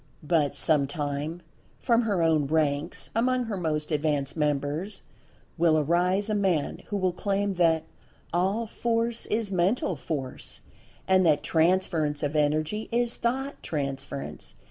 But sometime, from her own ranks—among her most advanced members—will arise a man who will claim that "All Force is Mental Force," and that "Transference of Energy is Thought Transference."